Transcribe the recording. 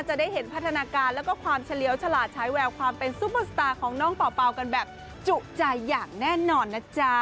จะได้เห็นพัฒนาการแล้วก็ความเฉลียวฉลาดใช้แววความเป็นซุปเปอร์สตาร์ของน้องเป่ากันแบบจุใจอย่างแน่นอนนะจ๊ะ